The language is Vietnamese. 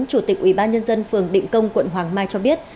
chủ tịch ủy ban nhân dân phường định công quận hoàng mai cho biết